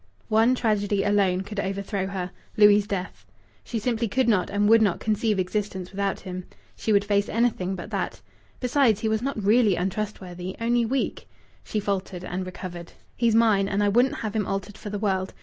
One tragedy alone could overthrow her Louis' death. She simply could not and would not conceive existence without him. She would face anything but that.... Besides, he was not really untrustworthy only weak! She faltered and recovered. "He's mine and I wouldn't have him altered for the world.